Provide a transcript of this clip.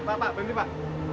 pak pak bentar pak